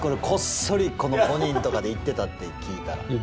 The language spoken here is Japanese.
こっそりこの５人とかで行ってたって聞いたら。